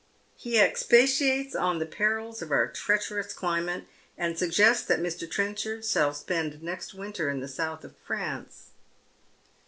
He expatiates on tlie perils of our treacherous climate, and suggests that Mr. Trenchard shall spend next winter in the south of France.